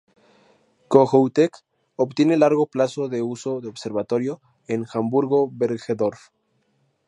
Kohoutek obtiene largo plazo de uso de observatorio en Hamburgo-Bergedorf.